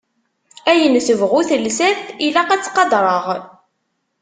Ayen tebɣu telsa-t ilaq ad tt-qadreɣ.